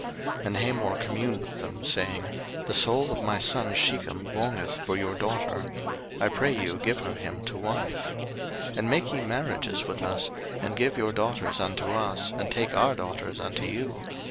01:034:008 And Hamor communed with them, saying, The soul of my son Shechem longeth for your daughter: I pray you give her him to wife. 01:034:009 And make ye marriages with us, and give your daughters unto us, and take our daughters unto you.